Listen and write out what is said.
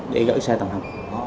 để gửi xe tầm hẳn